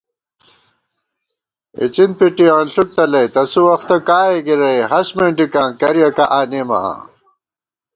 اِڅِن پِٹی انݪُوک تلئ، تسُو وختہ کائےگِرَئی، ہست مېنڈِکاں کریَکہ آنېمہ آں